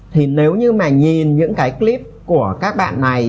thì nếu như mà nhìn những cái clip của các bạn này